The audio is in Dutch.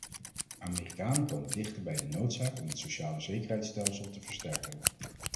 Amerikanen komen dichter bij de noodzaak om het socialezekerheidsstelsel te versterken.